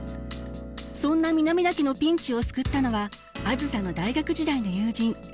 そんな南田家のピンチを救ったのはあづさの大学時代の友人赤松。